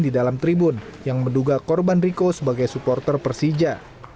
di dalam tribun yang menduga korban riko sebagai supporter persija